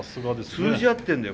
通じ合ってんだよ